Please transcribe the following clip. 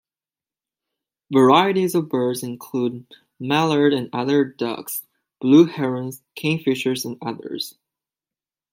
Varieties of birds include mallard and other ducks, blue herons, kingfishers and others.